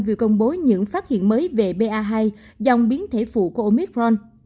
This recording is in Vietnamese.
vừa công bố những phát hiện mới về ba dòng biến thể phụ của omicron